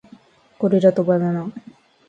ゴリラとバナナ